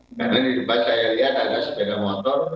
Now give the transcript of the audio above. nah ini cepat saya lihat ada sepeda motor